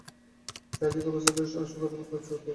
চারদিকের অবস্থা বেশ আশাপ্রদ বোধ হচ্ছে, অতএব প্রস্তুত হও।